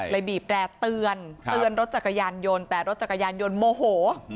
เลยบีบแปรเตือนรถจักรยานยนต์แต่รถจักรยานยนต์โมโห